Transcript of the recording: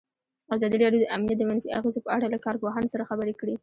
ازادي راډیو د امنیت د منفي اغېزو په اړه له کارپوهانو سره خبرې کړي.